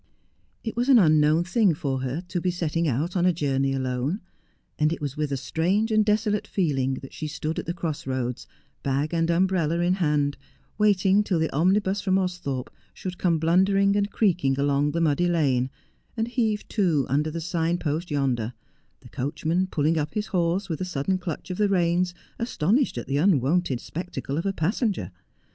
It was an unknown thing for her to be setting out on a journey alone, and it was with a strange and desolate feeling that she stood at the cross roads, bag and umbrella in hand, waiting till the omnibus from Austhorpe should come blundering and creaking along the muddy lane, and heave to under the signpost yonder, the coachman pulling up his horse with a sudden clutch of the reins, astonished at the unwonted spectacle 312 Just as I Am. of a passenger.